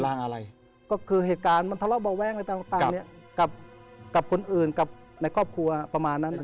อะไรก็คือเหตุการณ์มันทะเลาะเบาแว้งอะไรต่างเนี่ยกับคนอื่นกับในครอบครัวประมาณนั้น